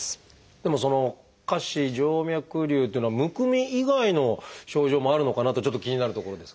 でもその下肢静脈りゅうっていうのはむくみ以外の症状もあるのかなとちょっと気になるところですが。